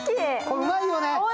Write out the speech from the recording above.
うまいよね。